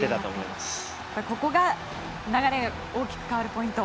ここが流れが大きく変わるポイント？